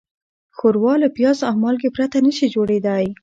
ښوروا له پیاز او مالګې پرته نهشي جوړېدای.